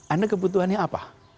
anda kebutuhannya apa